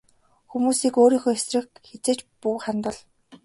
Хүмүүсийг өөрийнхөө эсрэг хэзээ ч бүү хандуул.